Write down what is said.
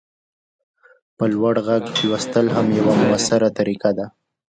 په لوړ غږ لوستل هم یوه مؤثره طریقه ده.